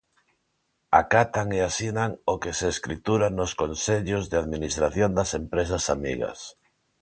Acatan e asinan o que se escritura nos consellos de administración das empresas amigas.